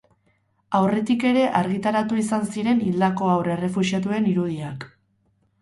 Aurretik ere argitaratu izan ziren hildako haur errefuxiatuen irudiak.